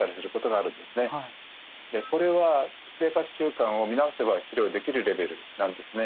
これは生活習慣を見直せば治療できるレベルなんですね。